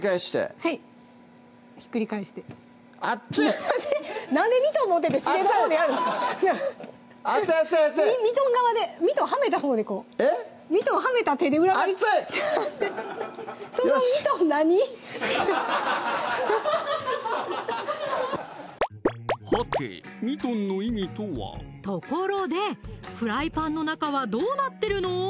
はてミトンの意味とはところでフライパンの中はどうなってるの？